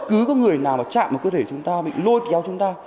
cứ người nào chạm vào cơ thể chúng ta lôi kéo chúng ta